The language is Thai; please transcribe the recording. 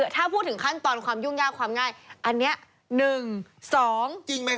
ถ้าพูดถึงขั้นตอนความยุ่งยากความง่าย